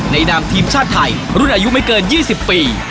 นามทีมชาติไทยรุ่นอายุไม่เกิน๒๐ปี